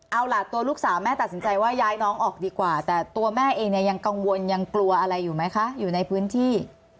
เอาล่ะตัวลูกสาวแม่ตัดสินใจว่าย้ายน้องออกดีกว่าแต่ตัวแม่เองเนี่ยยังกังวลยังกลัวอะไรอยู่ไหมคะอยู่ในพื้นที่